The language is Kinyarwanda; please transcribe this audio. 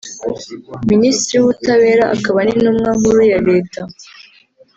Minisitiri w’ubutabera akaba n’Intumwa nkuru ya Leta